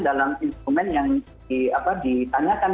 dalam instrumen yang di apa ditanyakan